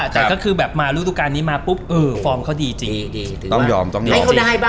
แต่ก็คือมารูปการณ์นี้มาปุ๊บฟอร์มเขาดีจริงต้องยอม